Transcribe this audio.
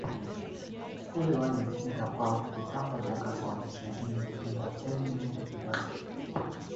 Everyone will think about the temporary workers’ condition in the entertainment industry.